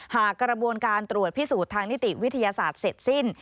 กระบวนการตรวจพิสูจน์ทางนิติวิทยาศาสตร์เสร็จสิ้น